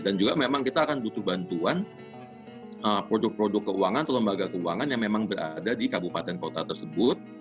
dan juga memang kita akan butuh bantuan produk produk keuangan atau lembaga keuangan yang memang berada di kabupaten kota tersebut